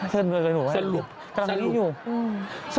เชิญเบลงกันหนูไหมครับสรุปตรงนี้อยู่สรุป